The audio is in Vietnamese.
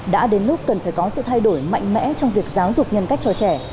đã đến lúc cần phải có sự thay đổi mạnh mẽ trong việc giáo dục nhân cách cho trẻ